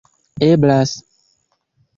eblas